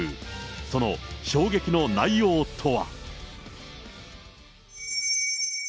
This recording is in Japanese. その衝撃の内容とは。